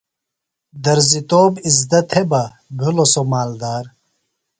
درزیۡ توپ اِزدہ تھےۡ بہ، بِھلوۡ سوۡ مالدار دےۡ